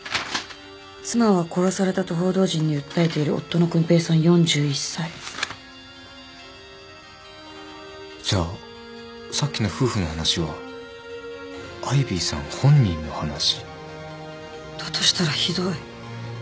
「『妻は殺された』と報道陣に訴えている夫の薫平さん４１歳」じゃあさっきの夫婦の話はアイビーさん本人の話？だとしたらひどい。